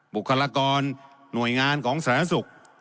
บุคลากรหน่วยงานของสาธารณสุข